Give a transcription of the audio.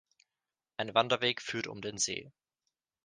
Ein Wanderweg führt um den See.